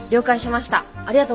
ありがとうございます。